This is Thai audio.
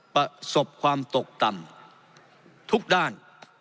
ประสบความตกต่ำทุกด้าน